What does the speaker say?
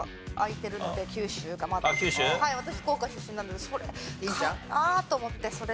私福岡出身なのでそれかなと思ってそれで。